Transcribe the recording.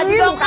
maju dong kak